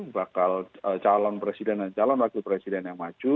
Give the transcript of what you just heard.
bakal calon presiden dan calon wakil presiden yang maju